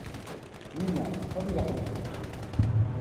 ¡ niña, no digas eso!...